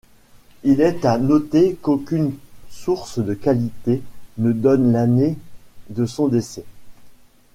Il est à noter qu'aucune source de qualité ne donne l'année de son décès.